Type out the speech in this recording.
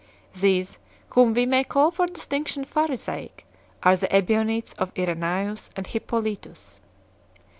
These, whom we may call for distinction Phari saic, are the Ebionites of Irenseus and Hippolytus.